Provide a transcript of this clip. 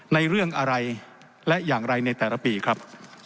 ในเรื่องอะไรและอย่างไรในแต่ละปีครับ